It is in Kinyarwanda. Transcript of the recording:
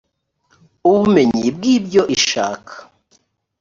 ubumenyi bw ibyo ishaka